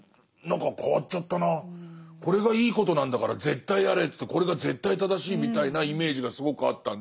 これがいいことなんだから絶対やれってこれが絶対正しいみたいなイメージがすごくあったんで。